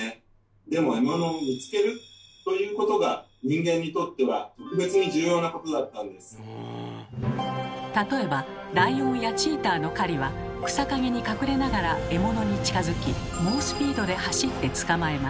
でも獲物を「見つける」ということが人間にとっては例えばライオンやチーターの狩りは草かげに隠れながら獲物に近づき猛スピードで走って捕まえます。